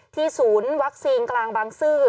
ศูนย์วัคซีนกลางบางซื่อ